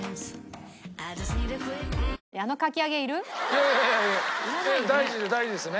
いやいやいや大事大事ですね